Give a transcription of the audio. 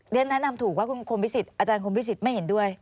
เรนนี่แนะนำถูกอาจารย์โครมภิษฐ์ไม่เห็นด้วย